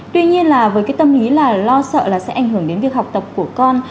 tuy nhiên là với cái tâm lý là lo sợ là sẽ ảnh hưởng đến việc học tập của con